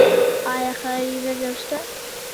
آیا ښاري نظم شته؟